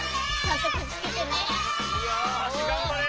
よしがんばれ。